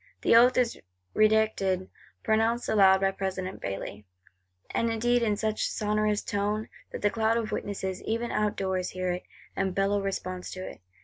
The Oath is redacted; pronounced aloud by President Bailly,—and indeed in such a sonorous tone, that the cloud of witnesses, even outdoors, hear it, and bellow response to it.